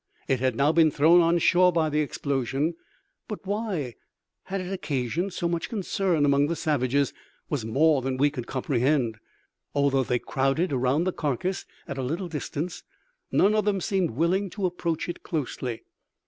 It had now been thrown on shore by the explosion; but why it had occasioned so much concern among the savages was more than we could comprehend. Although they crowded around the carcass at a little distance, none of them seemed willing to approach it closely.